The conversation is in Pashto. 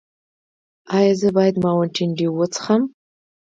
ایا زه باید ماونټین ډیو وڅښم؟